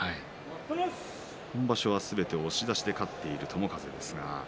今場所はすべて押し出しで勝っている友風です。